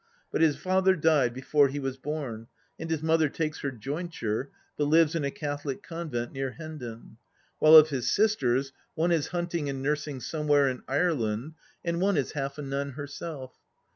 But his father died before he was born, and his mother takes her jointure, but lives in a Catholic convent near Hendon; while of his sisters, one is hunting and nursing somewhere in Ireland and one is half a nun herself.